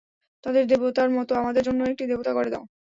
তাদের দেবতার মত আমাদের জন্যেও একটি দেবতা গড়ে দাও।